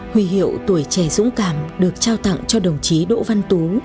huy hiệu tuổi trẻ dũng cảm được trao tặng cho đồng chí đỗ văn tú